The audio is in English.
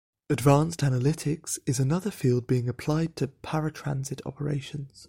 Advanced analytics is another field being applied to paratransit operations.